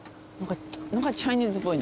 何かチャイニーズっぽいね。